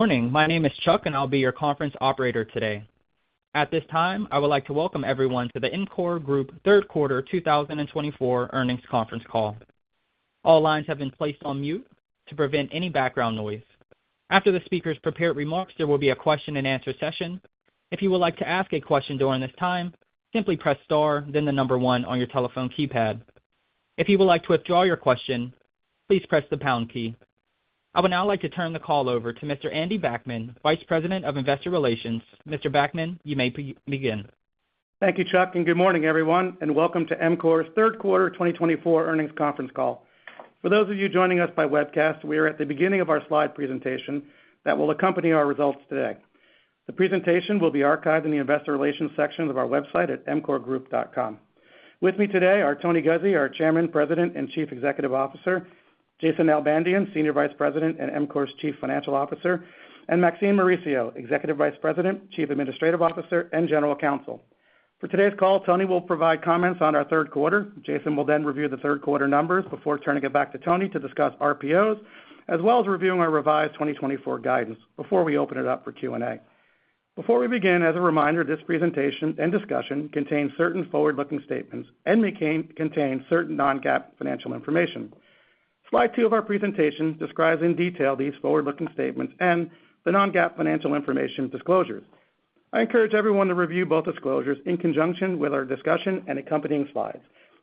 Morning. My name is Chuck, and I'll be your conference operator today. At this time, I would like to welcome everyone to the EMCOR Group Third Quarter 2024 Earnings Conference Call. All lines have been placed on mute to prevent any background noise. After the speakers prepared remarks, there will be a question-and-answer session. If you would like to ask a question during this time, simply press star, then the number one on your telephone keypad. If you would like to withdraw your question, please press the pound key. I would now like to turn the call over to Mr. Andy Backman, Vice President of Investor Relations. Mr. Backman, you may begin. Thank you, Chuck, and good morning, everyone, and welcome to EMCOR's Third Quarter 2024 earnings conference call. For those of you joining us by webcast, we are at the beginning of our slide presentation that will accompany our results today. The presentation will be archived in the Investor Relations section of our website at emcorgroup.com. With me today are Tony Guzzi, our Chairman, President, and Chief Executive Officer; Jason Nalbandian, Senior Vice President and EMCOR's Chief Financial Officer; and Maxine Mauricio, Executive Vice President, Chief Administrative Officer, and General Counsel. For today's call, Tony will provide comments on our third quarter. Jason will then review the third quarter numbers before turning it back to Tony to discuss RPOs, as well as reviewing our revised 2024 guidance before we open it up for Q&A. Before we begin, as a reminder, this presentation and discussion contain certain forward-looking statements and contain certain non-GAAP financial information. Slide two of our presentation describes in detail these forward-looking statements and the non-GAAP financial information disclosures. I encourage everyone to review both disclosures in conjunction with our discussion and accompanying slides.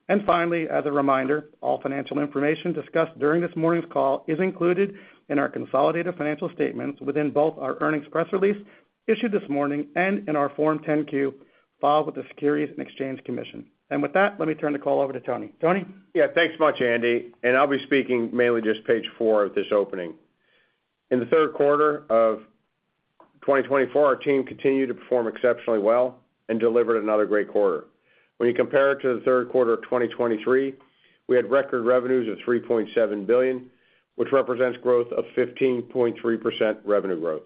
And finally, as a reminder, all financial information discussed during this morning's call is included in our consolidated financial statements within both our earnings press release issued this morning and in our Form 10-Q filed with the Securities and Exchange Commission. And with that, let me turn the call over to Tony. Tony? Yeah, thanks much, Andy. And I'll be speaking mainly just page four of this opening. In the third quarter of 2024, our team continued to perform exceptionally well and delivered another great quarter. When you compare it to the third quarter of 2023, we had record revenues of $3.7 billion, which represents growth of 15.3% revenue growth.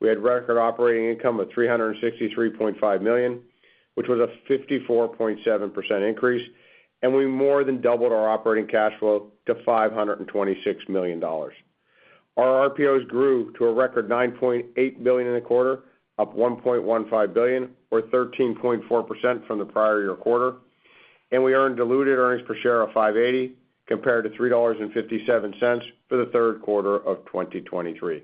We had record operating income of $363.5 million, which was a 54.7% increase, and we more than doubled our operating cash flow to $526 million. Our RPOs grew to a record $9.8 billion in the quarter, up $1.15 billion, or 13.4% from the prior year quarter, and we earned diluted earnings per share of $5.80 compared to $3.57 for the third quarter of 2023.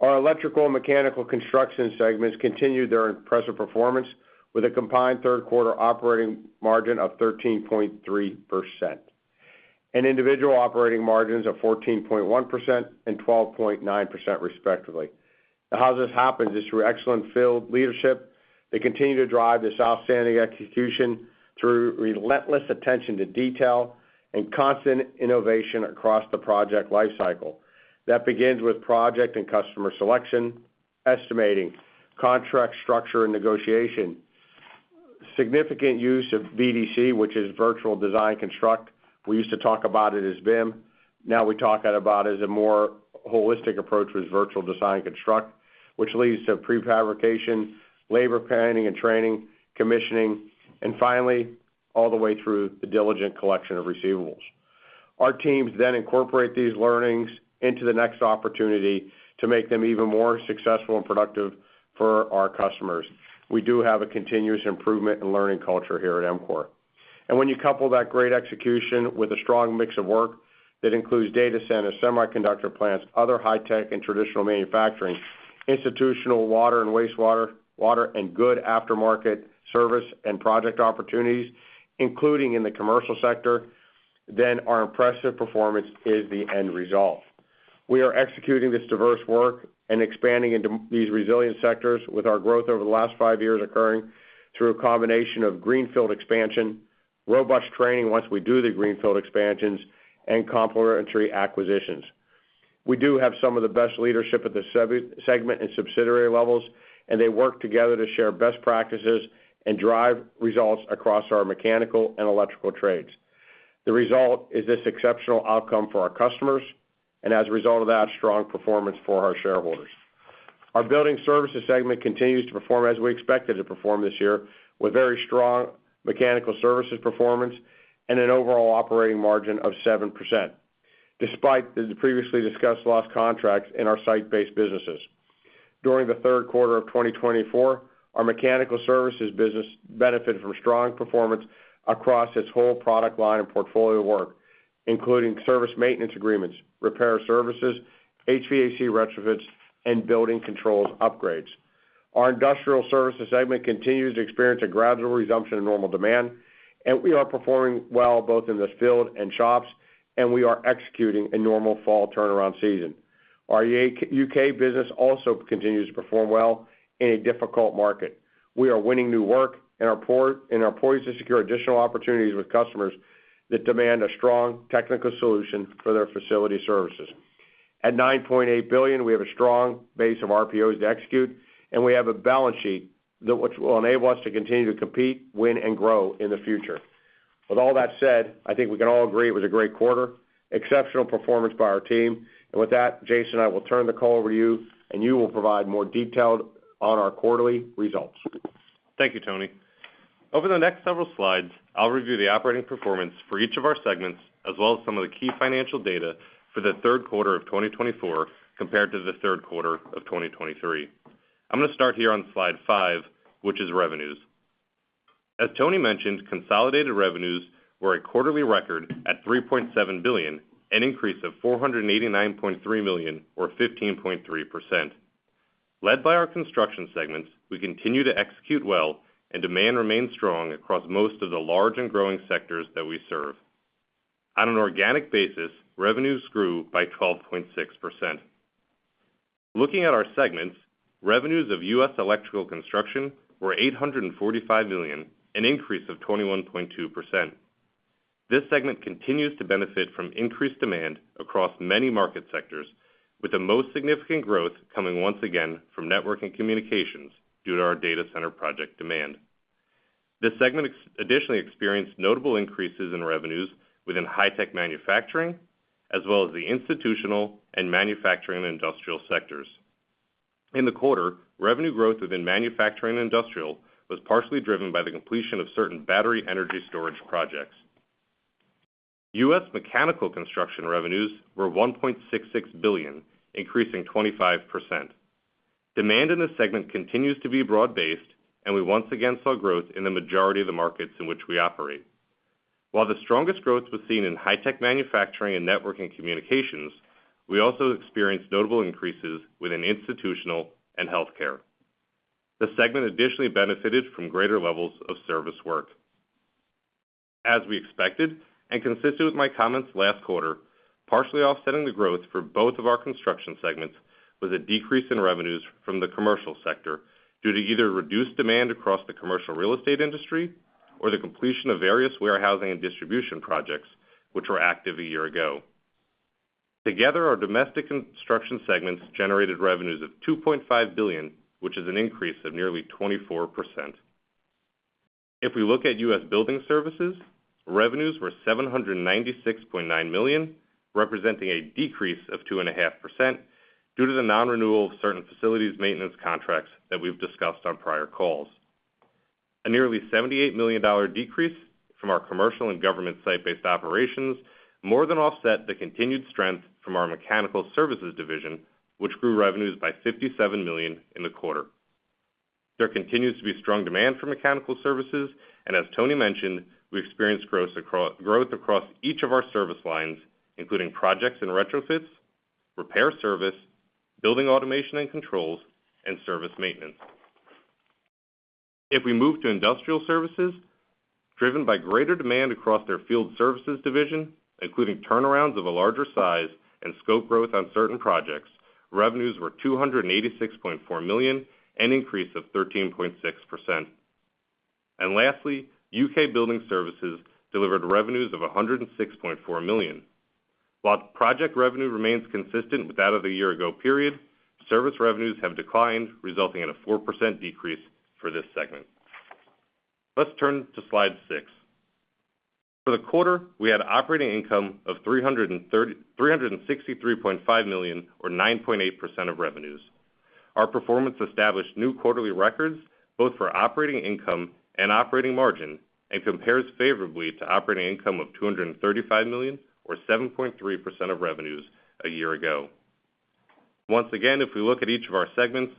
Our electrical and mechanical construction segments continued their impressive performance with a combined third quarter operating margin of 13.3% and individual operating margins of 14.1% and 12.9%, respectively. How this happens is through excellent field leadership that continue to drive this outstanding execution through relentless attention to detail and constant innovation across the project lifecycle. That begins with project and customer selection, estimating, contract structure, and negotiation. Significant use of VDC, which is Virtual Design and Construction. We used to talk about it as BIM. Now we talk about it as a more holistic approach with Virtual Design and Construction, which leads to prefabrication, labor planning and training, commissioning, and finally, all the way through the diligent collection of receivables. Our teams then incorporate these learnings into the next opportunity to make them even more successful and productive for our customers. We do have a continuous improvement in learning culture here at EMCOR. When you couple that great execution with a strong mix of work that includes data centers, semiconductor plants, other high-tech and traditional manufacturing, institutional water and wastewater, water, and good aftermarket service and project opportunities, including in the commercial sector, then our impressive performance is the end result. We are executing this diverse work and expanding into these resilient sectors with our growth over the last five years occurring through a combination of greenfield expansion, robust training once we do the greenfield expansions, and complementary acquisitions. We do have some of the best leadership at the segment and subsidiary levels, and they work together to share best practices and drive results across our mechanical and electrical trades. The result is this exceptional outcome for our customers, and as a result of that, strong performance for our shareholders. Our Building Services segment continues to perform as we expected to perform this year with very strong Mechanical Services performance and an overall operating margin of 7%, despite the previously discussed lost contracts in our site-based businesses. During the third quarter of 2024, our Mechanical Services business benefited from strong performance across its whole product line and portfolio work, including service maintenance agreements, repair services, HVAC retrofits, and building controls upgrades. Our Industrial Services segment continues to experience a gradual resumption of normal demand, and we are performing well both in the field and shops, and we are executing a normal fall turnaround season. Our U.K. business also continues to perform well in a difficult market. We are winning new work and are poised to secure additional opportunities with customers that demand a strong technical solution for their facility services. At $9.8 billion, we have a strong base of RPOs to execute, and we have a balance sheet that will enable us to continue to compete, win, and grow in the future. With all that said, I think we can all agree it was a great quarter, exceptional performance by our team, and with that, Jason, I will turn the call over to you, and you will provide more detail on our quarterly results. Thank you, Tony. Over the next several slides, I'll review the operating performance for each of our segments, as well as some of the key financial data for the third quarter of 2024 compared to the third quarter of 2023. I'm going to start here on slide five, which is revenues. As Tony mentioned, consolidated revenues were a quarterly record at $3.7 billion, an increase of $489.3 million, or 15.3%. Led by our construction segments, we continue to execute well, and demand remains strong across most of the large and growing sectors that we serve. On an organic basis, revenues grew by 12.6%. Looking at our segments, revenues of U.S. Electrical Construction were $845 million, an increase of 21.2%. This segment continues to benefit from increased demand across many market sectors, with the most significant growth coming once again from networking communications due to our data center project demand. This segment additionally experienced notable increases in revenues within high-tech manufacturing, as well as the institutional and manufacturing and industrial sectors. In the quarter, revenue growth within manufacturing and industrial was partially driven by the completion of certain battery energy storage projects. U.S. Mechanical Construction revenues were $1.66 billion, increasing 25%. Demand in this segment continues to be broad-based, and we once again saw growth in the majority of the markets in which we operate. While the strongest growth was seen in high-tech manufacturing and networking communications, we also experienced notable increases within institutional and healthcare. The segment additionally benefited from greater levels of service work. As we expected and consistent with my comments last quarter, partially offsetting the growth for both of our construction segments was a decrease in revenues from the commercial sector due to either reduced demand across the commercial real estate industry or the completion of various warehousing and distribution projects, which were active a year ago. Together, our domestic construction segments generated revenues of $2.5 billion, which is an increase of nearly 24%. If we look at U.S. Building Services, revenues were $796.9 million, representing a decrease of 2.5% due to the non-renewal of certain facilities maintenance contracts that we've discussed on prior calls. A nearly $78 million decrease from our commercial and government site-based operations more than offset the continued strength from our Mechanical Services division, which grew revenues by $57 million in the quarter. There continues to be strong demand for Mechanical Services, and as Tony mentioned, we experienced growth across each of our service lines, including projects and retrofits, repair service, building automation and controls, and service maintenance. If we move to Industrial Services, driven by greater demand across their Field Services division, including turnarounds of a larger size and scope growth on certain projects, revenues were $286.4 million and an increase of 13.6%, and lastly, U.K. Building Services delivered revenues of $106.4 million. While project revenue remains consistent with that of the year-ago period, service revenues have declined, resulting in a 4% decrease for this segment. Let's turn to slide six. For the quarter, we had operating income of $363.5 million, or 9.8% of revenues. Our performance established new quarterly records both for operating income and operating margin and compares favorably to operating income of $235 million, or 7.3% of revenues a year ago. Once again, if we look at each of our segments,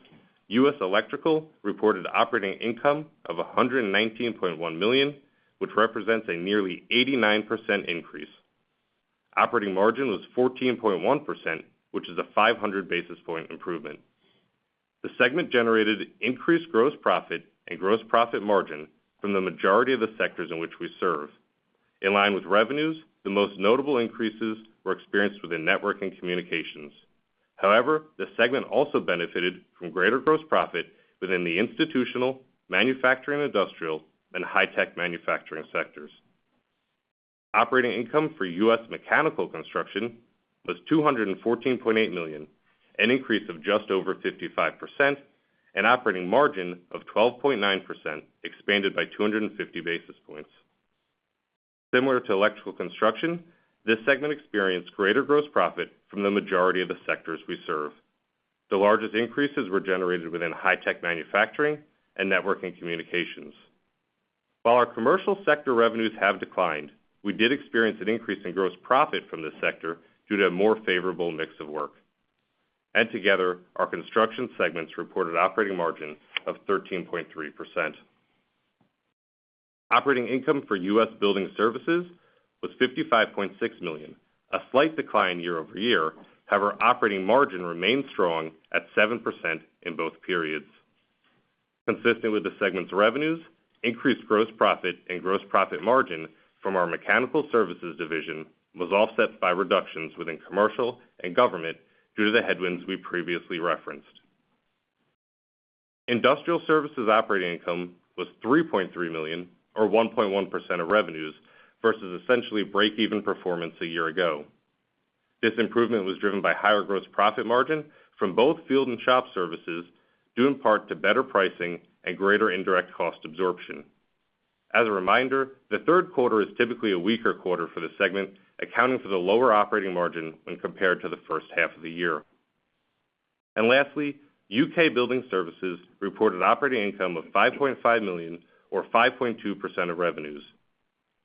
U.S. Electrical reported operating income of $119.1 million, which represents a nearly 89% increase. Operating margin was 14.1%, which is a 500 basis point improvement. The segment generated increased gross profit and gross profit margin from the majority of the sectors in which we serve. In line with revenues, the most notable increases were experienced within networking communications. However, the segment also benefited from greater gross profit within the institutional, manufacturing industrial, and high-tech manufacturing sectors. Operating income for U.S. Mechanical Construction was $214.8 million, an increase of just over 55%, and operating margin of 12.9%, expanded by 250 basis points. Similar to electrical construction, this segment experienced greater gross profit from the majority of the sectors we serve. The largest increases were generated within high-tech manufacturing and networking communications. While our commercial sector revenues have declined, we did experience an increase in gross profit from this sector due to a more favorable mix of work. And together, our construction segments reported operating margin of 13.3%. Operating income for U.S. Building Services was $55.6 million, a slight decline year over year. However, operating margin remained strong at 7% in both periods. Consistent with the segment's revenues, increased gross profit and gross profit margin from our Mechanical Services division was offset by reductions within commercial and government due to the headwinds we previously referenced. Industrial Services operating income was $3.3 million, or 1.1% of revenues, versus essentially break-even performance a year ago. This improvement was driven by higher gross profit margin from both field and shop services due in part to better pricing and greater indirect cost absorption. As a reminder, the third quarter is typically a weaker quarter for the segment, accounting for the lower operating margin when compared to the first half of the year, and lastly, U.K. Building Services reported operating income of $5.5 million, or 5.2% of revenues.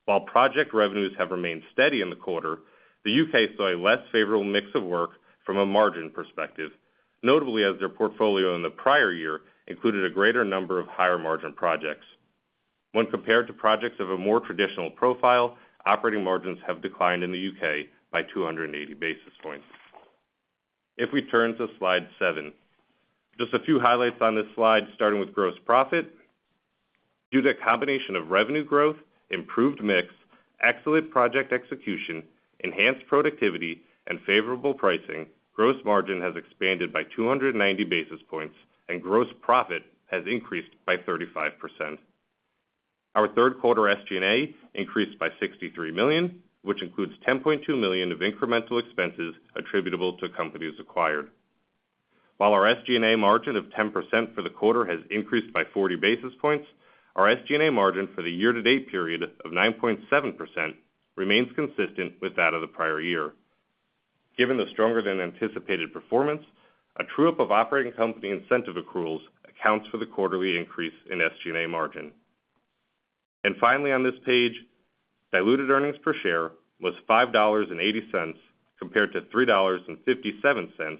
While project revenues have remained steady in the quarter, the U.K. saw a less favorable mix of work from a margin perspective, notably as their portfolio in the prior year included a greater number of higher margin projects. When compared to projects of a more traditional profile, operating margins have declined in the U.K. by 280 basis points. If we turn to slide seven, just a few highlights on this slide, starting with gross profit. Due to a combination of revenue growth, improved mix, excellent project execution, enhanced productivity, and favorable pricing, gross margin has expanded by 290 basis points, and gross profit has increased by 35%. Our third quarter SG&A increased by $63 million, which includes $10.2 million of incremental expenses attributable to companies acquired. While our SG&A margin of 10% for the quarter has increased by 40 basis points, our SG&A margin for the year-to-date period of 9.7% remains consistent with that of the prior year. Given the stronger-than-anticipated performance, a true-up of operating company incentive accruals accounts for the quarterly increase in SG&A margin, and finally, on this page, diluted earnings per share was $5.80 compared to $3.57,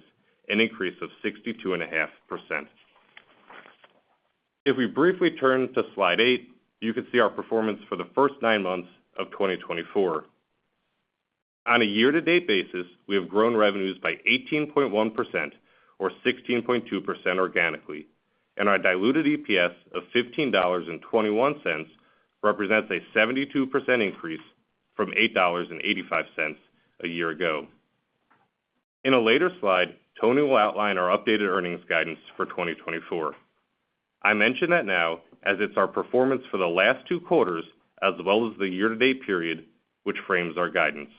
an increase of 62.5%. If we briefly turn to slide eight, you can see our performance for the first nine months of 2024. On a year-to-date basis, we have grown revenues by 18.1%, or 16.2% organically, and our diluted EPS of $15.21 represents a 72% increase from $8.85 a year ago. In a later slide, Tony will outline our updated earnings guidance for 2024. I mention that now as it's our performance for the last two quarters as well as the year-to-date period, which frames our guidance.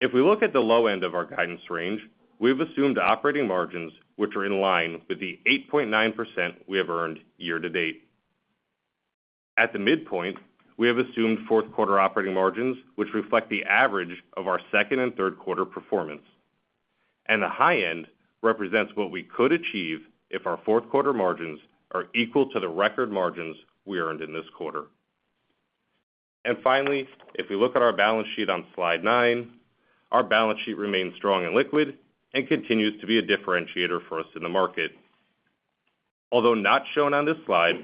If we look at the low end of our guidance range, we have assumed operating margins which are in line with the 8.9% we have earned year-to-date. At the midpoint, we have assumed fourth quarter operating margins which reflect the average of our second and third quarter performance, and the high end represents what we could achieve if our fourth quarter margins are equal to the record margins we earned in this quarter. And finally, if we look at our balance sheet on slide nine, our balance sheet remains strong and liquid and continues to be a differentiator for us in the market. Although not shown on this slide,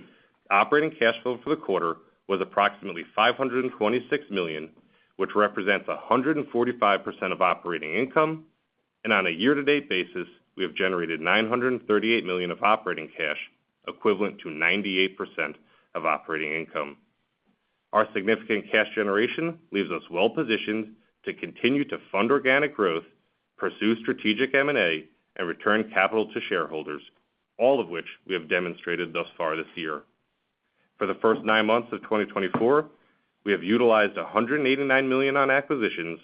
operating cash flow for the quarter was approximately $526 million, which represents 145% of operating income. And on a year-to-date basis, we have generated $938 million of operating cash, equivalent to 98% of operating income. Our significant cash generation leaves us well-positioned to continue to fund organic growth, pursue strategic M&A, and return capital to shareholders, all of which we have demonstrated thus far this year. For the first nine months of 2024, we have utilized $189 million on acquisitions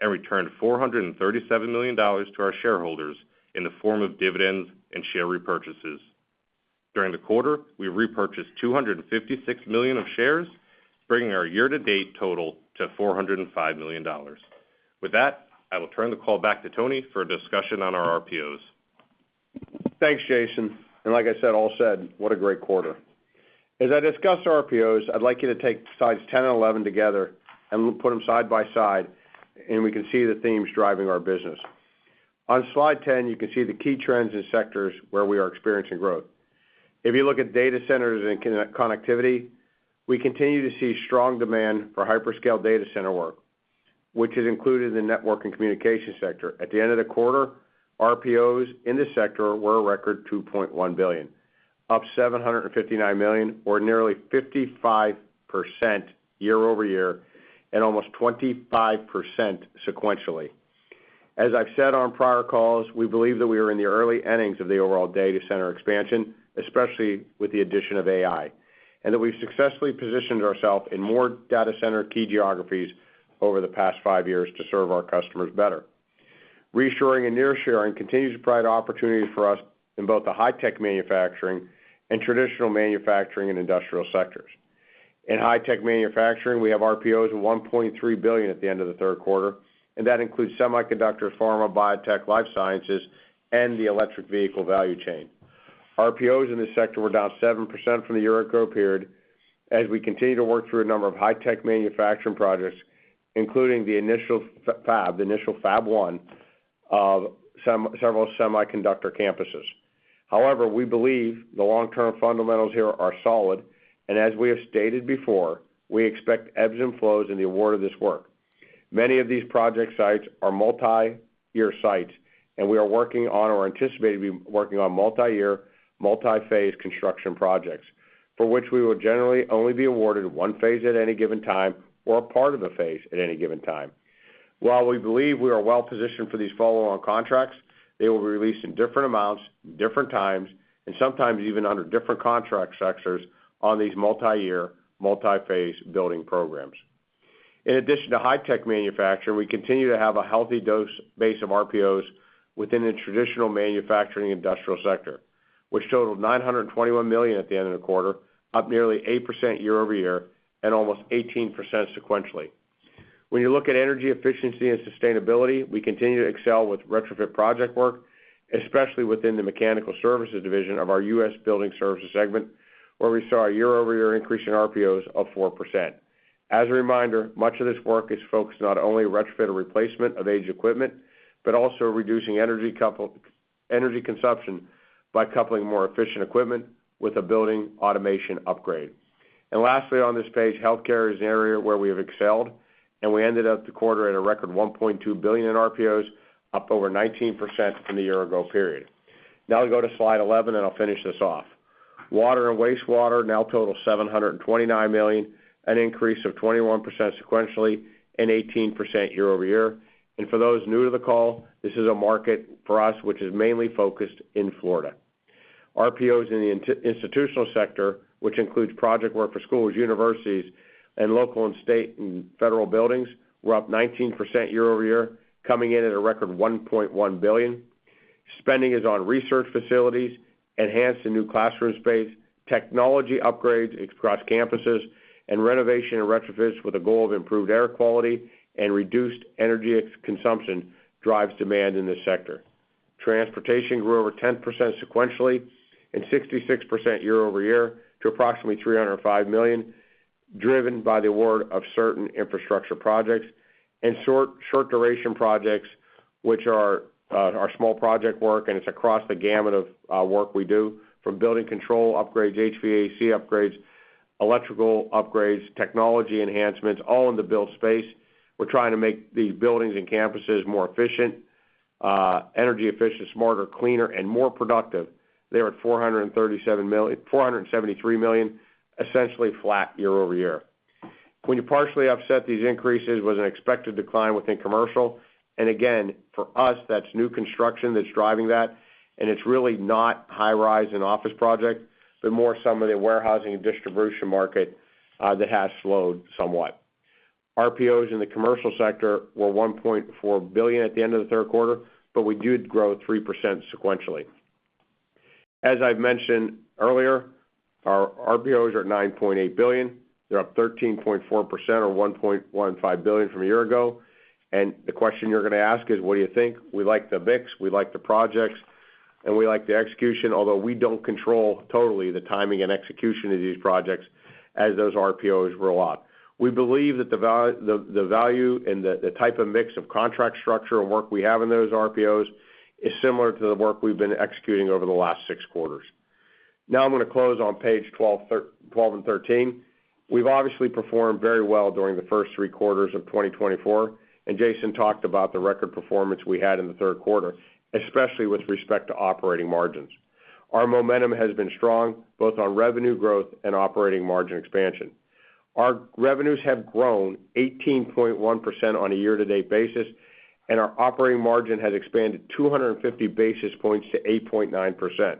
and returned $437 million to our shareholders in the form of dividends and share repurchases. During the quarter, we repurchased $256 million of shares, bringing our year-to-date total to $405 million. With that, I will turn the call back to Tony for a discussion on our RPOs. Thanks, Jason. And like I said, all said, what a great quarter. As I discussed RPOs, I'd like you to take slides 10 and 11 together and put them side by side, and we can see the themes driving our business. On slide 10, you can see the key trends in sectors where we are experiencing growth. If you look at data centers and connectivity, we continue to see strong demand for hyperscale data center work, which is included in the networking communication sector. At the end of the quarter, RPOs in this sector were a record $2.1 billion, up $759 million, or nearly 55% year-over-year and almost 25% sequentially. As I've said on prior calls, we believe that we are in the early innings of the overall data center expansion, especially with the addition of AI, and that we've successfully positioned ourselves in more data center key geographies over the past five years to serve our customers better. Reshoring and nearshoring continues to provide opportunities for us in both the high-tech manufacturing and traditional manufacturing and industrial sectors. In high-tech manufacturing, we have RPOs of $1.3 billion at the end of the third quarter, and that includes semiconductors, pharma, biotech, life sciences, and the electric vehicle value chain. RPOs in this sector were down 7% from the year-ago period as we continue to work through a number of high-tech manufacturing projects, including the initial Fab, the initial Fab 1 of several semiconductor campuses. However, we believe the long-term fundamentals here are solid, and as we have stated before, we expect ebbs and flows in the award of this work. Many of these project sites are multi-year sites, and we are working on or anticipate working on multi-year, multi-phase construction projects, for which we will generally only be awarded one phase at any given time or a part of a phase at any given time. While we believe we are well-positioned for these follow-on contracts, they will be released in different amounts, different times, and sometimes even under different contract structures on these multi-year, multi-phase building programs. In addition to high-tech manufacturing, we continue to have a healthy base of RPOs within the traditional manufacturing industrial sector, which totaled $921 million at the end of the quarter, up nearly 8% year-over-year and almost 18% sequentially. When you look at energy efficiency and sustainability, we continue to excel with retrofit project work, especially within the Mechanical Services division of our U.S. Building Services segment, where we saw a year-over-year increase in RPOs of 4%. As a reminder, much of this work is focused not only on retrofit or replacement of aged equipment, but also reducing energy consumption by coupling more efficient equipment with a building automation upgrade. And lastly, on this page, healthcare is an area where we have excelled, and we ended up the quarter at a record $1.2 billion in RPOs, up over 19% from the year-ago period. Now we go to slide 11, and I'll finish this off. Water and wastewater now total $729 million, an increase of 21% sequentially and 18% year-over-year. And for those new to the call, this is a market for us which is mainly focused in Florida. RPOs in the institutional sector, which includes project work for schools, universities, and local and state and federal buildings, were up 19% year-over-year, coming in at a record $1.1 billion. Spending is on research facilities, enhanced and new classroom space, technology upgrades across campuses, and renovation and retrofits with a goal of improved air quality and reduced energy consumption drives demand in this sector. Transportation grew over 10% sequentially and 66% year-over-year to approximately $305 million, driven by the award of certain infrastructure projects and short-duration projects, which are our small project work, and it's across the gamut of work we do, from building control upgrades, HVAC upgrades, electrical upgrades, technology enhancements, all in the build space. We're trying to make these buildings and campuses more efficient, energy efficient, smarter, cleaner, and more productive. They're at $473 million, essentially flat year-over-year. When you partially offset these increases, there was an expected decline within commercial. And again, for us, that's new construction that's driving that, and it's really not high-rise and office projects, but more some of the warehousing and distribution market that has slowed somewhat. RPOs in the commercial sector were $1.4 billion at the end of the third quarter, but we did grow 3% sequentially. As I've mentioned earlier, our RPOs are at $9.8 billion. They're up 13.4% or $1.15 billion from a year ago. And the question you're going to ask is, what do you think? We like the mix. We like the projects, and we like the execution, although we don't control totally the timing and execution of these projects as those RPOs roll out. We believe that the value and the type of mix of contract structure and work we have in those RPOs is similar to the work we've been executing over the last six quarters. Now I'm going to close on page 12 and 13. We've obviously performed very well during the first three quarters of 2024, and Jason talked about the record performance we had in the third quarter, especially with respect to operating margins. Our momentum has been strong, both on revenue growth and operating margin expansion. Our revenues have grown 18.1% on a year-to-date basis, and our operating margin has expanded 250 basis points to 8.9%.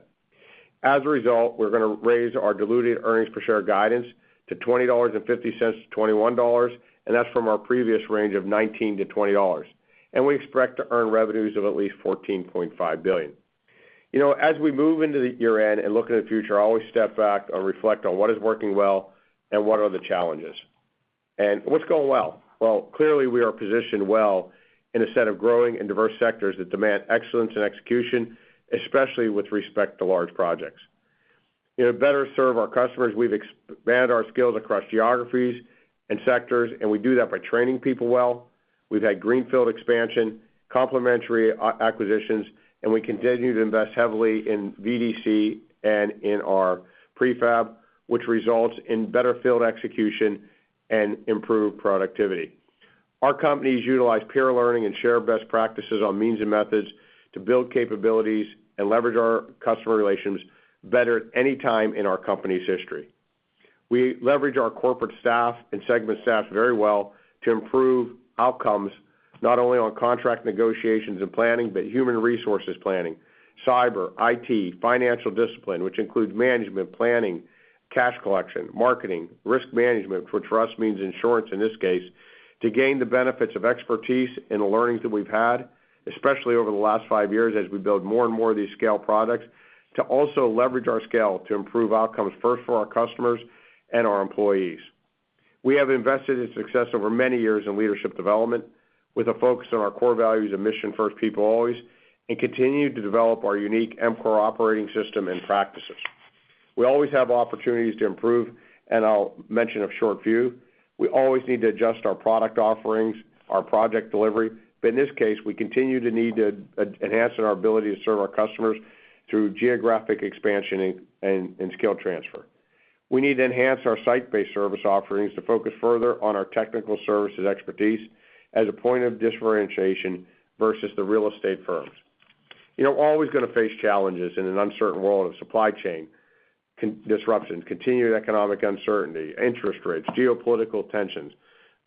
As a result, we're going to raise our diluted earnings per share guidance to $20.50-$21, and that's from our previous range of $19-$20. And we expect to earn revenues of at least $14.5 billion. As we move into the year-end and look at the future, I always step back and reflect on what is working well and what are the challenges. What's going well? Clearly, we are positioned well in a set of growing and diverse sectors that demand excellence and execution, especially with respect to large projects. To better serve our customers, we've expanded our skills across geographies and sectors, and we do that by training people well. We've had greenfield expansion, complementary acquisitions, and we continue to invest heavily in VDC and in our prefab, which results in better field execution and improved productivity. Our companies utilize peer learning and shared best practices on means and methods to build capabilities and leverage our customer relations better at any time in our company's history. We leverage our corporate staff and segment staff very well to improve outcomes, not only on contract negotiations and planning, but human resources planning, cyber, IT, financial discipline, which includes management, planning, cash collection, marketing, risk management, which for us means insurance in this case, to gain the benefits of expertise and the learnings that we've had, especially over the last five years as we build more and more of these scale products, to also leverage our scale to improve outcomes first for our customers and our employees. We have invested in success over many years in leadership development with a focus on our core values of Mission First People Always and continue to develop our unique EMCOR Operating System and practices. We always have opportunities to improve, and I'll mention a short view. We always need to adjust our product offerings, our project delivery, but in this case, we continue to need to enhance our ability to serve our customers through geographic expansion and skill transfer. We need to enhance our site-based service offerings to focus further on our technical services expertise as a point of differentiation versus the real estate firms. We're always going to face challenges in an uncertain world of supply chain disruption, continued economic uncertainty, interest rates, geopolitical tensions,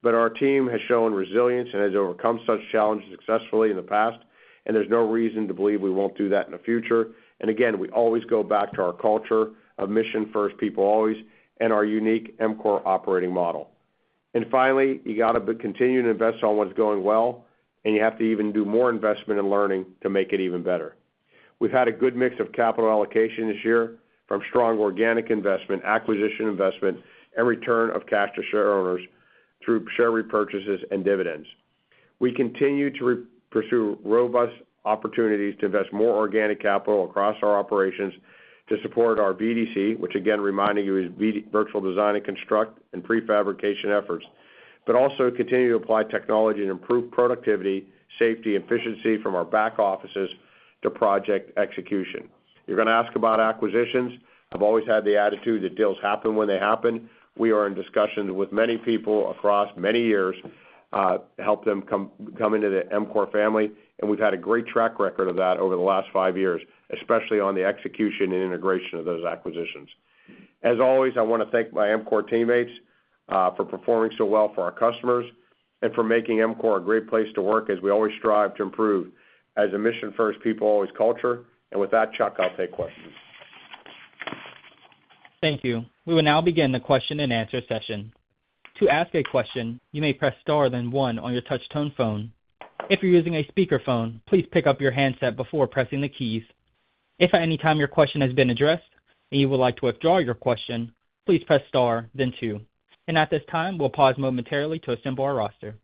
but our team has shown resilience and has overcome such challenges successfully in the past, and there's no reason to believe we won't do that in the future. And again, we always go back to our culture of Mission First People Always and our unique EMCOR operating model. And finally, you got to continue to invest on what's going well, and you have to even do more investment and learning to make it even better. We've had a good mix of capital allocation this year from strong organic investment, acquisition investment, and return of cash to share owners through share repurchases and dividends. We continue to pursue robust opportunities to invest more organic capital across our operations to support our VDC, which again, reminding you, is Virtual Design and Construction and prefabrication efforts, but also continue to apply technology and improve productivity, safety, and efficiency from our back offices to project execution. You're going to ask about acquisitions. I've always had the attitude that deals happen when they happen. We are in discussions with many people across many years, help them come into the EMCOR family, and we've had a great track record of that over the last five years, especially on the execution and integration of those acquisitions. As always, I want to thank my EMCOR teammates for performing so well for our customers and for making EMCOR a great place to work as we always strive to improve as a Mission First People Always culture. With that, Chuck, I'll take questions. Thank you. We will now begin the question and answer session. To ask a question, you may press star then one on your touch-tone phone. If you're using a speakerphone, please pick up your handset before pressing the keys. If at any time your question has been addressed and you would like to withdraw your question, please press star then two. And at this time, we'll pause momentarily to assemble our roster.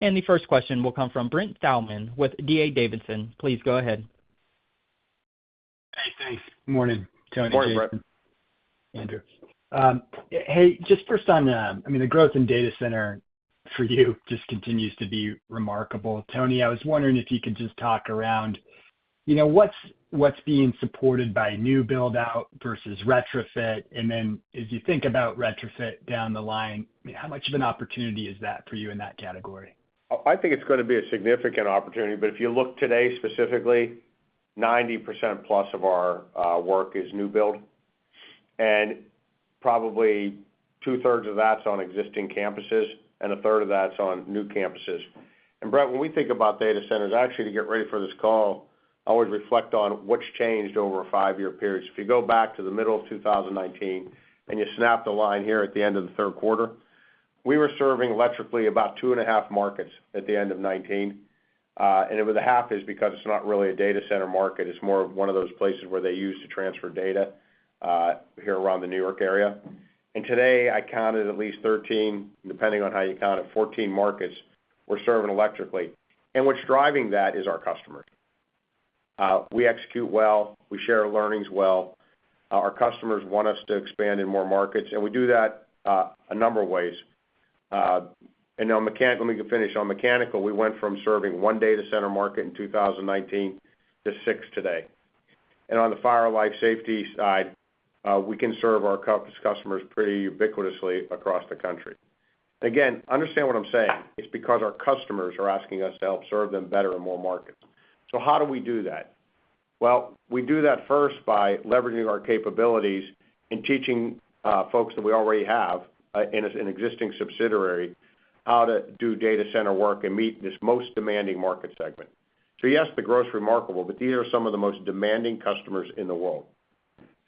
And the first question will come from Brent Thielman with D.A. Davidson. Please go ahead. Hey, thanks. Good morning, Tony. Morning, Brent. Hey, just first on, I mean, the growth in data center for you just continues to be remarkable. Tony, I was wondering if you could just talk around what's being supported by new build-out versus retrofit? And then as you think about retrofit down the line, how much of an opportunity is that for you in that category? I think it's going to be a significant opportunity, but if you look today specifically, 90% plus of our work is new build, and probably two-thirds of that's on existing campuses and a third of that's on new campuses. Brent, when we think about data centers, actually, to get ready for this call, I always reflect on what's changed over a five-year period. So if you go back to the middle of 2019 and you snap the line here at the end of the third quarter, we were serving electrically about two and a half markets at the end of 2019. And with the half is because it's not really a data center market. It's more of one of those places where they use to transfer data here around the New York area. Today, I counted at least 13, depending on how you count it, 14 markets we're serving electrically. And what's driving that is our customers. We execute well. We share learnings well. Our customers want us to expand in more markets, and we do that a number of ways. And now, mechanical, let me finish. On mechanical, we went from serving one data center market in 2019 to six today. And on the fire life safety side, we can serve our customers pretty ubiquitously across the country. Again, understand what I'm saying. It's because our customers are asking us to help serve them better in more markets. So how do we do that? Well, we do that first by leveraging our capabilities and teaching folks that we already have in an existing subsidiary how to do data center work and meet this most demanding market segment. So yes, the growth's remarkable, but these are some of the most demanding customers in the world.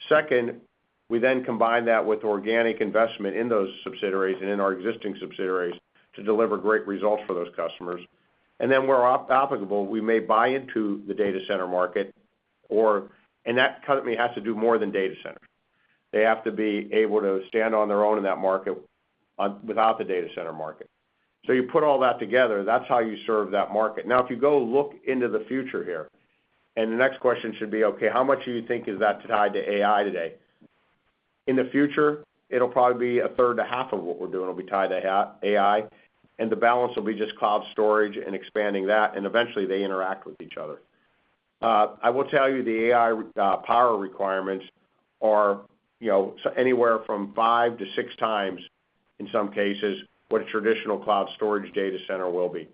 Second, we then combine that with organic investment in those subsidiaries and in our existing subsidiaries to deliver great results for those customers. And then where applicable, we may buy into the data center market, and that company has to do more than data centers. They have to be able to stand on their own in that market without the data center market. So you put all that together, that's how you serve that market. Now, if you go look into the future here, and the next question should be, okay, how much do you think is that tied to AI today? In the future, it'll probably be a third to half of what we're doing will be tied to AI, and the balance will be just cloud storage and expanding that, and eventually, they interact with each other. I will tell you the AI power requirements are anywhere from five to six times in some cases what a traditional cloud storage data center will be.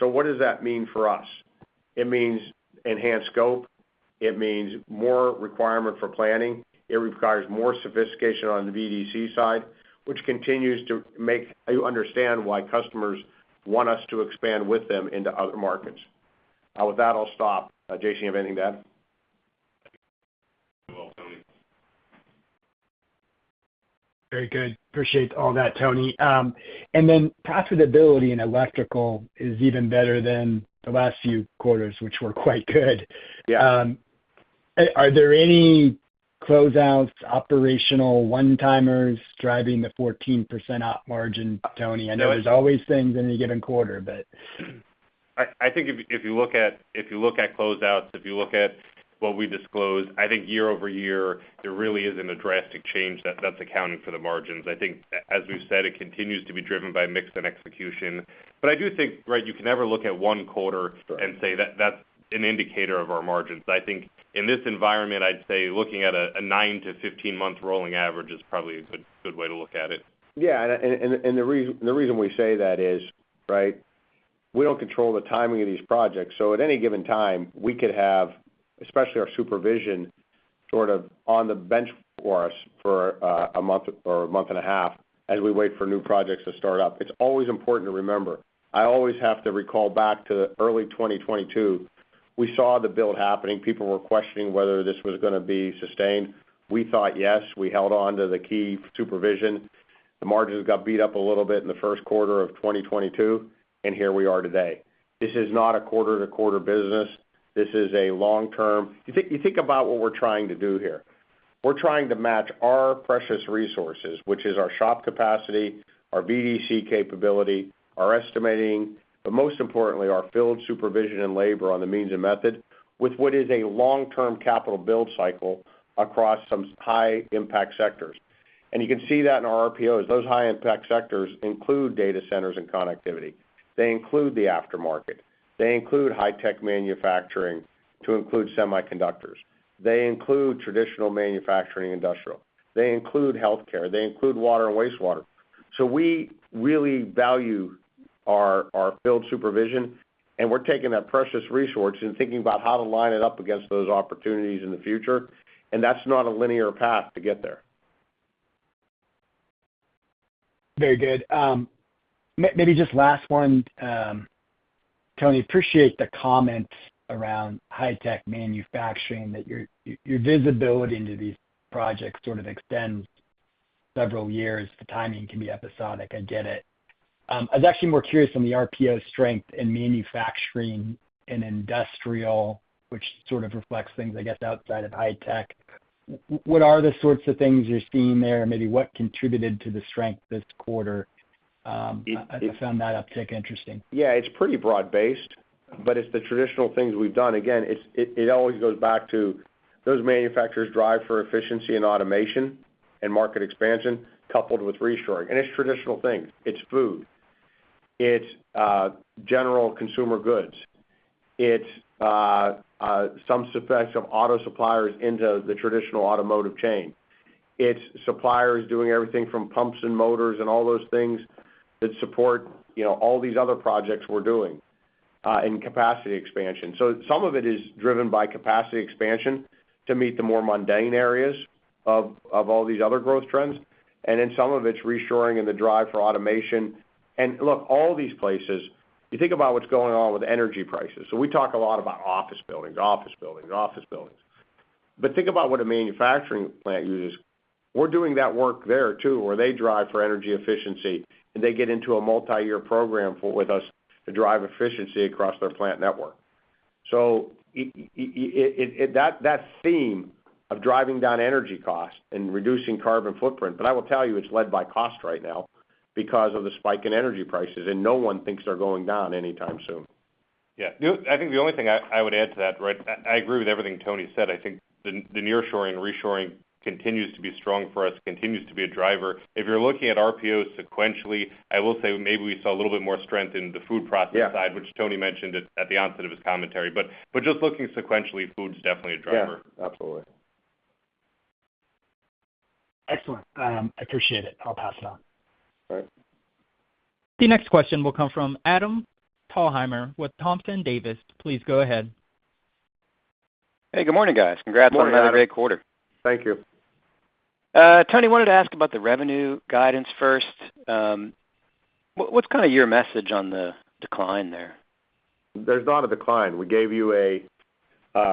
So what does that mean for us? It means enhanced scope. It means more requirement for planning. It requires more sophistication on the VDC side, which continues to make you understand why customers want us to expand with them into other markets. With that, I'll stop. Jason, you have anything to add? Thank you. Very good. Appreciate all that, Tony. And then profitability in electrical is even better than the last few quarters, which were quite good. Are there any closeouts, operational one-timers driving the 14% up margin, Tony? I know there's always things in any given quarter, but. I think if you look at closeouts, if you look at what we disclosed, I think year over year, there really isn't a drastic change that's accounting for the margins. I think, as we've said, it continues to be driven by mix and execution. But I do think, right, you can never look at one quarter and say that's an indicator of our margins. I think in this environment, I'd say looking at a 9-15-month rolling average is probably a good way to look at it. Yeah, and the reason we say that is, right, we don't control the timing of these projects. So at any given time, we could have, especially our supervision, sort of on the bench for us for a month or a month and a half as we wait for new projects to start up. It's always important to remember. I always have to recall back to early 2022. We saw the build happening. People were questioning whether this was going to be sustained. We thought, yes, we held on to the key supervision. The margins got beat up a little bit in the first quarter of 2022, and here we are today. This is not a quarter-to-quarter business. This is a long-term. You think about what we're trying to do here. We're trying to match our precious resources, which is our shop capacity, our VDC capability, our estimating, but most importantly, our field supervision and labor on the means and method with what is a long-term capital build cycle across some high-impact sectors. And you can see that in our RPOs. Those high-impact sectors include data centers and connectivity. They include the aftermarket. They include high-tech manufacturing to include semiconductors. They include traditional manufacturing industrial. They include healthcare. They include water and wastewater. So we really value our field supervision, and we're taking that precious resource and thinking about how to line it up against those opportunities in the future. And that's not a linear path to get there. Very good. Maybe just last one, Tony. Appreciate the comments around high-tech manufacturing, that your visibility into these projects sort of extends several years. The timing can be episodic. I get it. I was actually more curious on the RPO strength in manufacturing and industrial, which sort of reflects things, I guess, outside of high-tech. What are the sorts of things you're seeing there? Maybe what contributed to the strength this quarter? I found that uptick interesting. Yeah. It's pretty broad-based, but it's the traditional things we've done. Again, it always goes back to those manufacturers drive for efficiency and automation and market expansion coupled with reshoring. And it's traditional things. It's food. It's general consumer goods. It's some success of auto suppliers into the traditional automotive chain. It's suppliers doing everything from pumps and motors and all those things that support all these other projects we're doing in capacity expansion. So some of it is driven by capacity expansion to meet the more mundane areas of all these other growth trends. And then some of it's reshoring and the drive for automation. And look, all these places, you think about what's going on with energy prices. So we talk a lot about office buildings, office buildings, office buildings. But think about what a manufacturing plant uses. We're doing that work there too, where they drive for energy efficiency, and they get into a multi-year program with us to drive efficiency across their plant network. So that theme of driving down energy costs and reducing carbon footprint. But I will tell you it's led by cost right now because of the spike in energy prices, and no one thinks they're going down anytime soon. Yeah. I think the only thing I would add to that, right. I agree with everything Tony said. I think the nearshoring and reshoring continues to be strong for us, continues to be a driver. If you're looking at RPOs sequentially, I will say maybe we saw a little bit more strength in the food process side, which Tony mentioned at the onset of his commentary. But just looking sequentially, food's definitely a driver. Yeah. Absolutely. Excellent. I appreciate it. I'll pass it on. All right. The next question will come from Adam Thalhimer with Thompson Davis. Please go ahead. Hey, good morning, guys. Congrats on another great quarter. Thank you. Tony, I wanted to ask about the revenue guidance first. What's kind of your message on the decline there? There's not a decline. We gave you a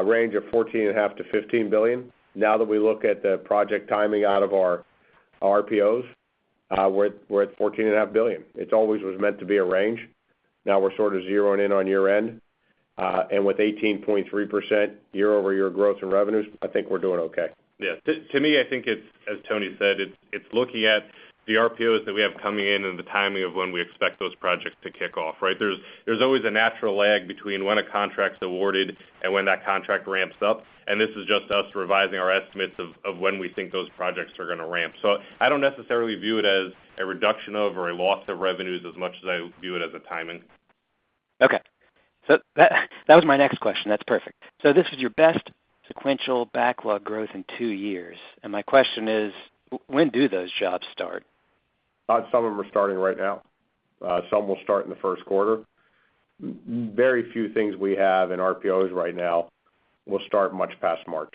range of $14.5-$15 billion. Now that we look at the project timing out of our RPOs, we're at $14.5 billion. It always was meant to be a range. Now we're sort of zeroing in on year-end, and with 18.3% year-over-year growth in revenues, I think we're doing okay. Yeah. To me, I think, as Tony said, it's looking at the RPOs that we have coming in and the timing of when we expect those projects to kick off, right? There's always a natural lag between when a contract's awarded and when that contract ramps up, and this is just us revising our estimates of when we think those projects are going to ramp. So I don't necessarily view it as a reduction of or a loss of revenues as much as I view it as a timing. Okay. So that was my next question. That's perfect. So this was your best sequential backlog growth in two years. And my question is, when do those jobs start? Some of them are starting right now. Some will start in the first quarter. Very few things we have in RPOs right now will start much past March.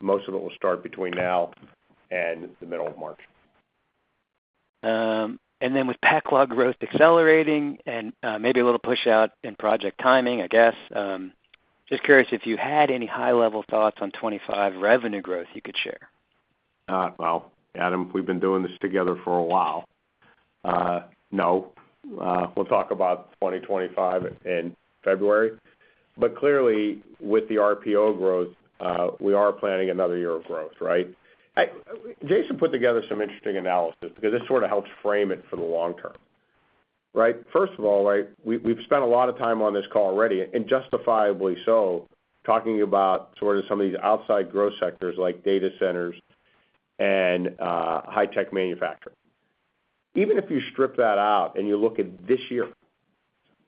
Most of it will start between now and the middle of March. Then with backlog growth accelerating and maybe a little push-out in project timing, I guess, just curious if you had any high-level thoughts on 2025 revenue growth you could share? Adam, we've been doing this together for a while. No. We'll talk about 2025 in February. But clearly, with the RPO growth, we are planning another year of growth, right? Jason put together some interesting analysis because it sort of helps frame it for the long term, right? First of all, right, we've spent a lot of time on this call already, and justifiably so, talking about sort of some of these outside growth sectors like data centers and high-tech manufacturing. Even if you strip that out and you look at this year,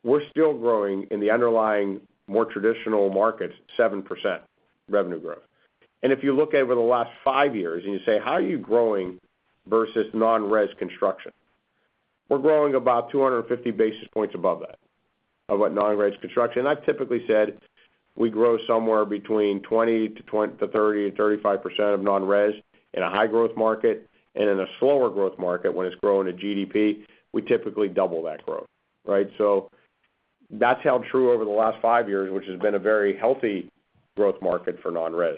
we're still growing in the underlying more traditional markets, 7% revenue growth. And if you look over the last five years and you say, "How are you growing versus non-res construction?" We're growing about 250 basis points above that of non-res construction. And I've typically said we grow somewhere between 20% to 30% to 35% of non-res in a high-growth market. And in a slower growth market, when it's growing to GDP, we typically double that growth, right? So that's held true over the last five years, which has been a very healthy growth market for non-res.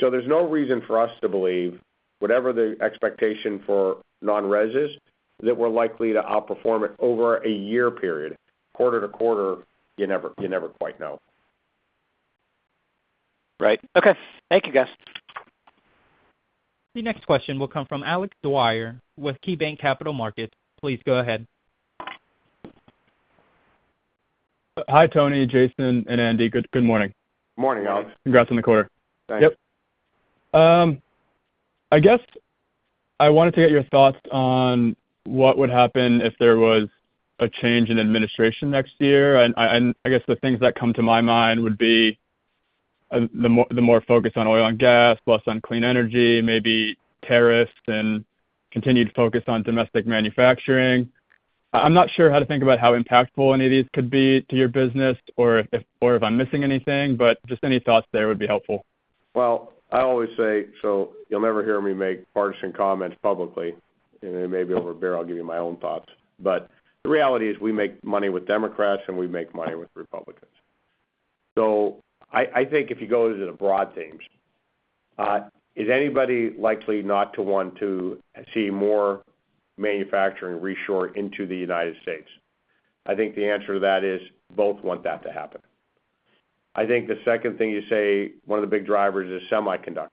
So there's no reason for us to believe whatever the expectation for non-res is, that we're likely to outperform it over a year period. Quarter to quarter, you never quite know. Right. Okay. Thank you, guys. The next question will come from Alex Dwyer with KeyBanc Capital Markets. Please go ahead. Hi, Tony, Jason, and Andy. Good morning. Good morning, Alex. Congrats on the quarter. Thanks. Yep. I guess I wanted to get your thoughts on what would happen if there was a change in administration next year, and I guess the things that come to my mind would be the more focus on oil and gas, plus on clean energy, maybe tariffs, and continued focus on domestic manufacturing. I'm not sure how to think about how impactful any of these could be to your business or if I'm missing anything, but just any thoughts there would be helpful. Well, I always say, so you'll never hear me make partisan comments publicly. And maybe over a beer, I'll give you my own thoughts. But the reality is we make money with Democrats, and we make money with Republicans. So I think if you go to the broad themes, is anybody likely not to want to see more manufacturing reshoring into the United States? I think the answer to that is both want that to happen. I think the second thing you say, one of the big drivers is semiconductors.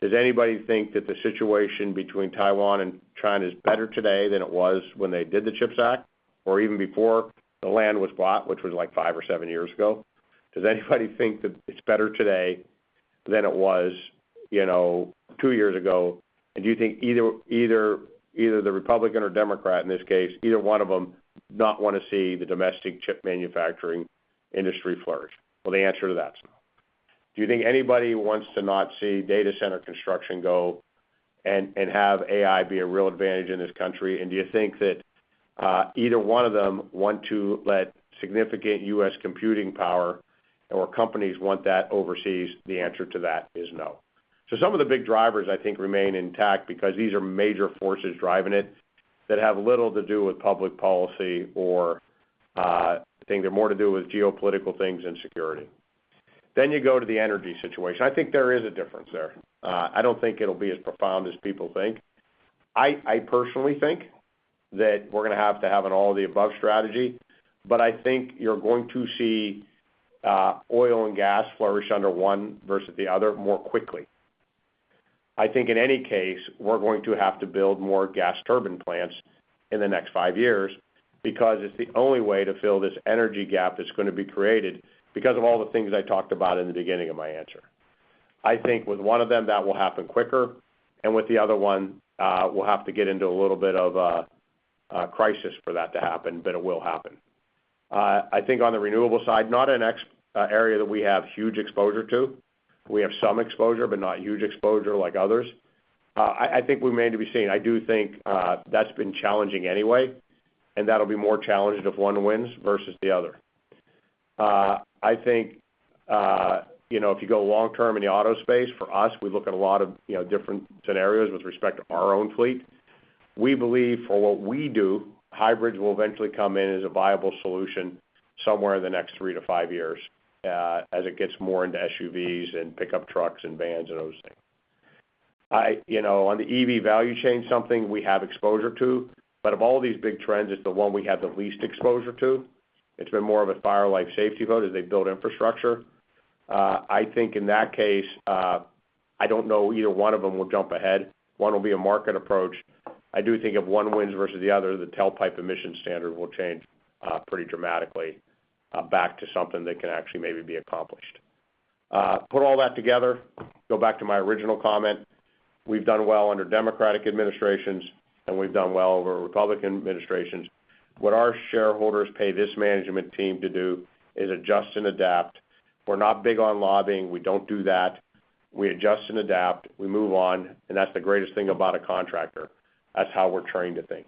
Does anybody think that the situation between Taiwan and China is better today than it was when they did the CHIPS Act or even before the land was bought, which was like five or seven years ago? Does anybody think that it's better today than it was two years ago? Do you think either the Republican or Democrat, in this case, either one of them does not want to see the domestic chip manufacturing industry flourish? Well, the answer to that's no. Do you think anybody wants to not see data center construction go and have AI be a real advantage in this country? Do you think that either one of them want to let significant U.S. computing power or companies want that overseas? The answer to that is no. Some of the big drivers, I think, remain intact because these are major forces driving it that have little to do with public policy or I think they're more to do with geopolitical things and security. You go to the energy situation. I think there is a difference there. I don't think it'll be as profound as people think. I personally think that we're going to have to have an all-the-above strategy, but I think you're going to see oil and gas flourish under one versus the other more quickly. I think in any case, we're going to have to build more gas turbine plants in the next five years because it's the only way to fill this energy gap that's going to be created because of all the things I talked about in the beginning of my answer. I think with one of them, that will happen quicker. And with the other one, we'll have to get into a little bit of a crisis for that to happen, but it will happen. I think on the renewable side, not an area that we have huge exposure to. We have some exposure, but not huge exposure like others. I think we may need to be seen. I do think that's been challenging anyway, and that'll be more challenged if one wins versus the other. I think if you go long-term in the auto space, for us, we look at a lot of different scenarios with respect to our own fleet. We believe for what we do, hybrids will eventually come in as a viable solution somewhere in the next three to five years as it gets more into SUVs and pickup trucks and vans and those things. On the EV value chain, something we have exposure to, but of all these big trends, it's the one we have the least exposure to. It's been more of a fire-life safety work as they build infrastructure. I think in that case, I don't know either one of them will jump ahead. One will be a market approach. I do think if one wins versus the other, the tailpipe emission standard will change pretty dramatically back to something that can actually maybe be accomplished. Put all that together, go back to my original comment. We've done well under Democratic administrations, and we've done well over Republican administrations. What our shareholders pay this management team to do is adjust and adapt. We're not big on lobbying. We don't do that. We adjust and adapt. We move on. And that's the greatest thing about a contractor. That's how we're trained to think.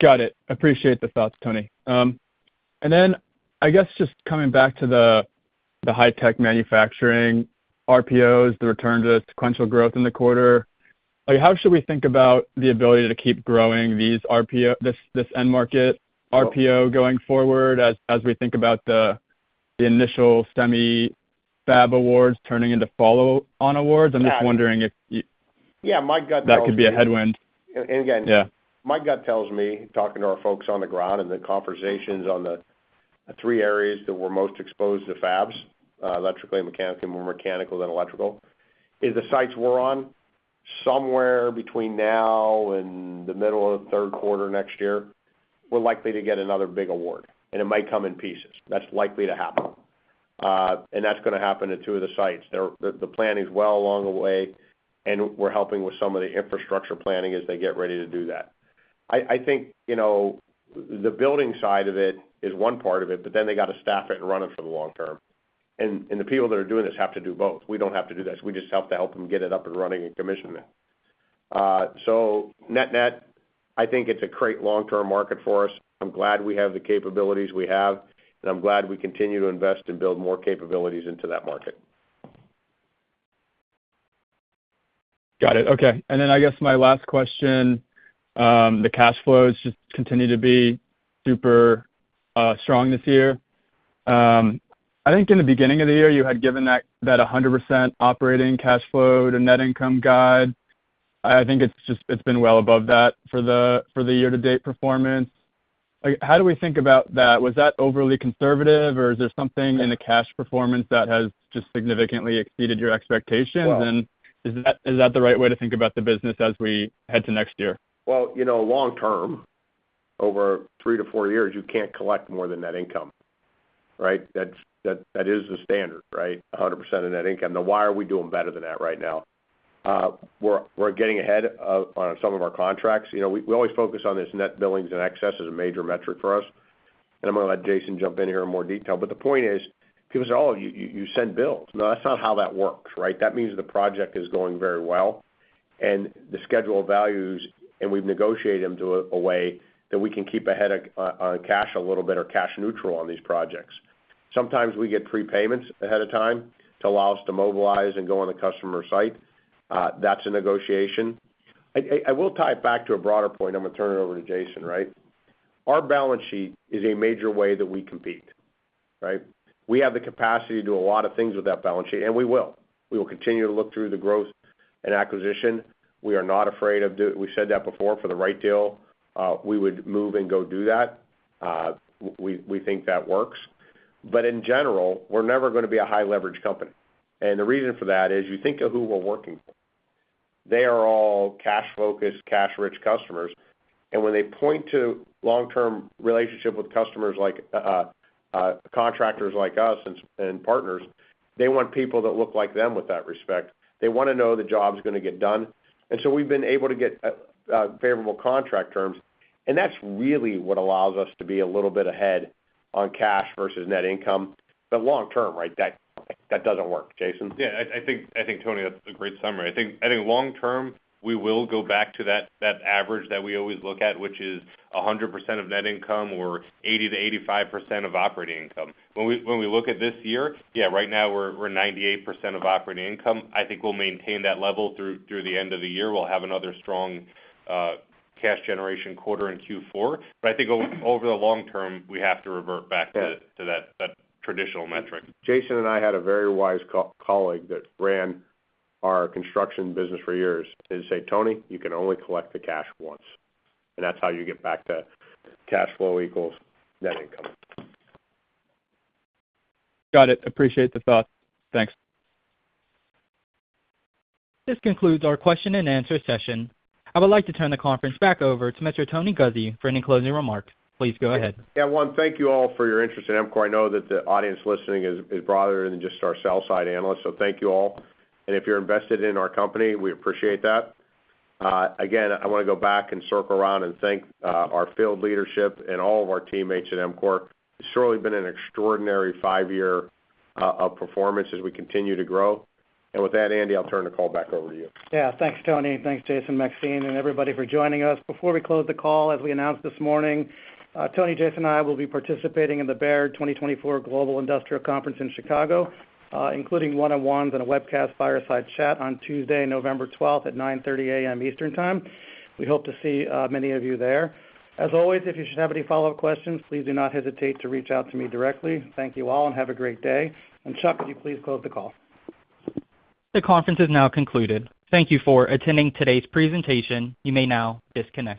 Got it. Appreciate the thoughts, Tony. And then I guess just coming back to the high-tech manufacturing RPOs, the return to sequential growth in the quarter, how should we think about the ability to keep growing this end market RPO going forward as we think about the initial semi fab awards turning into follow-on awards? I'm just wondering if that could be a headwind. Yeah. My gut tells me, talking to our folks on the ground and the conversations on the three areas that we're most exposed to fabs, electrically and mechanically, more mechanical than electrical, is the sites we're on. Somewhere between now and the middle of third quarter next year, we're likely to get another big award. And it might come in pieces. That's likely to happen. And that's going to happen at two of the sites. The planning is well along the way, and we're helping with some of the infrastructure planning as they get ready to do that. I think the building side of it is one part of it, but then they got to staff it and run it for the long term. And the people that are doing this have to do both. We don't have to do this. We just have to help them get it up and running and commission it. So net-net, I think it's a great long-term market for us. I'm glad we have the capabilities we have, and I'm glad we continue to invest and build more capabilities into that market. Got it. Okay. And then I guess my last question, the cash flows just continue to be super strong this year. I think in the beginning of the year, you had given that 100% operating cash flow to net income guide. I think it's been well above that for the year-to-date performance. How do we think about that? Was that overly conservative, or is there something in the cash performance that has just significantly exceeded your expectations? And is that the right way to think about the business as we head to next year? Long-term, over three to four years, you can't collect more than net income, right? That is the standard, right? 100% of net income. Now, why are we doing better than that right now? We're getting ahead on some of our contracts. We always focus on this net billings in excess as a major metric for us. And I'm going to let Jason jump in here in more detail. But the point is, people say, "Oh, you send bills." No, that's not how that works, right? That means the project is going very well. And the schedule of values, and we've negotiated them to a way that we can keep ahead on cash a little bit or cash neutral on these projects. Sometimes we get prepayments ahead of time to allow us to mobilize and go on the customer site. That's a negotiation. I will tie it back to a broader point. I'm going to turn it over to Jason, right? Our balance sheet is a major way that we compete, right? We have the capacity to do a lot of things with that balance sheet, and we will. We will continue to look through the growth and acquisition. We are not afraid of doing it. We said that before. For the right deal, we would move and go do that. We think that works. But in general, we're never going to be a high-leverage company. And the reason for that is you think of who we're working for. They are all cash-focused, cash-rich customers. And when they point to long-term relationships with customers like contractors like us and partners, they want people that look like them with that respect. They want to know the job's going to get done. And so we've been able to get favorable contract terms. And that's really what allows us to be a little bit ahead on cash versus net income. But long-term, right? That doesn't work, Jason. Yeah. I think, Tony, that's a great summary. I think long-term, we will go back to that average that we always look at, which is 100% of net income or 80%-85% of operating income. When we look at this year, yeah, right now we're 98% of operating income. I think we'll maintain that level through the end of the year. We'll have another strong cash generation quarter in Q4. But I think over the long term, we have to revert back to that traditional metric. Jason and I had a very wise colleague that ran our construction business for years that said, "Tony, you can only collect the cash once," and that's how you get back to cash flow equals net income. Got it. Appreciate the thoughts. Thanks. This concludes our question-and-answer session. I would like to turn the conference back over to Mr. Tony Guzzi for a closing remark. Please go ahead. Yeah. One, thank you all for your interest in EMCOR. I know that the audience listening is broader than just our sell-side analysts. So thank you all, and if you're invested in our company, we appreciate that. Again, I want to go back and circle around and thank our field leadership and all of our teammates at EMCOR. It's surely been an extraordinary five-year of performance as we continue to grow, and with that, Andy, I'll turn the call back over to you. Yeah. Thanks, Tony. Thanks, Jason, Maxine, and everybody for joining us. Before we close the call, as we announced this morning, Tony, Jason, and I will be participating in the Baird 2024 Global Industrial Conference in Chicago, including one-on-ones and a webcast fireside chat on Tuesday, November 12th at 9:30 A.M. Eastern Time. We hope to see many of you there. As always, if you should have any follow-up questions, please do not hesitate to reach out to me directly. Thank you all and have a great day, and Chuck, could you please close the call? The conference is now concluded. Thank you for attending today's presentation. You may now disconnect.